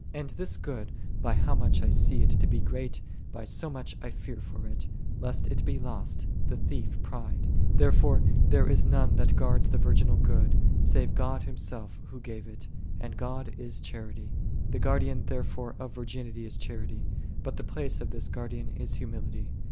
And this good, by how much I see it to be great, by so much I fear for it, lest it be lost, the thief prick . Therefore there is none that guardeth the virginal good, save God Himself Who gave it: and God is Charity.6 The Guardian therefore of virginity is Charity: but the place of this Guardian is humility.